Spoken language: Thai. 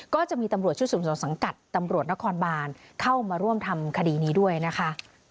ก็จะมีตำรวจชุดสืบสวนสังกัดตำรวจนครบานเข้ามาร่วมทำคดีนี้ด้วยนะคะ